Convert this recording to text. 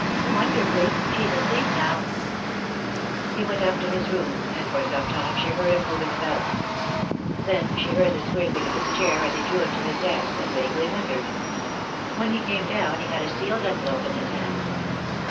"Wonderfully. She's asleep now." He went up to his room, and for some time she heard him moving about. Then she heard the scraping of his chair as he drew it to his desk, and vaguely wondered. When he came down he had a sealed envelope in his hand.